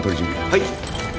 はい。